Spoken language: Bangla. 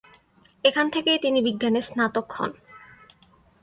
এখান থেকেই তিনি বিজ্ঞানে স্নাতক হন।